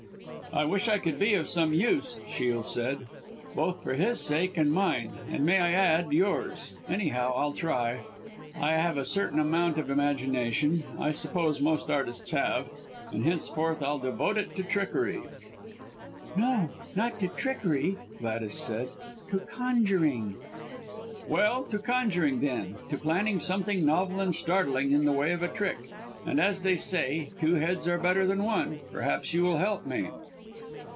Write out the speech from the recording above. "I wish I could be of some use," Shiel said, "both for his sake and mine, and may I add yours. Anyhow I'll try. I have a certain amount of imagination I suppose most artists have, and henceforth I'll devote it to trickery." "No, not to trickery!" Gladys said, "to conjuring!" "Well, to conjuring then to planning something novel and startling in the way of a trick. And as they say, two heads are better than one, perhaps, you will help me."